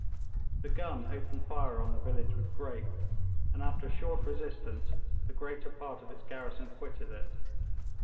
The gun opened fire on the village with grape, and after a short resistance the greater part of its garrison quitted it.